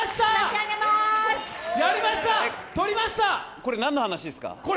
これ何の話ですか？